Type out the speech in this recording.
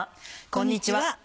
こんにちは。